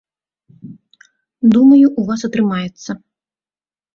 Думаю, у вас атрымаецца.